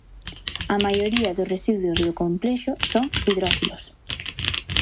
A maioría dos residuos do complexo son hidrófilos.